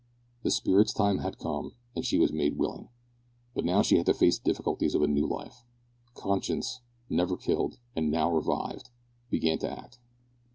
The Spirit's time had come, and she was made willing. But now she had to face the difficulties of the new life. Conscience never killed, and now revived began to act.